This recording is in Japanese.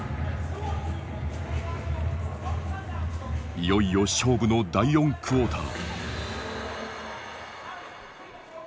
いよいよ勝負の第４クォーター。